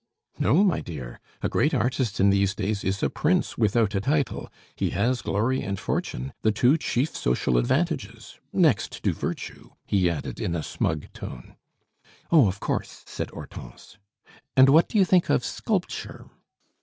"No, my dear. A great artist in these days is a prince without a title he has glory and fortune, the two chief social advantages next to virtue," he added, in a smug tone. "Oh, of course!" said Hortense. "And what do you think of sculpture?"